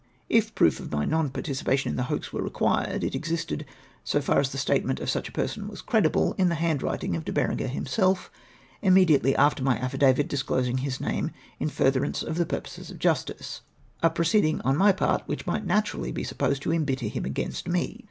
If proof of my non participation in the hoax were required, it existed, so for as the statement of such a person was credible, in the liandwritiDg of De Berenger himself, immediately after my affidavit disclosing his name in furtherance of the purposes of justice ; a pro ceeding on my part which might naturally be supposed to embitter him asjainst me.